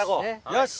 よし。